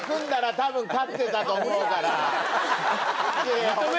たぶん勝ってたと思うから。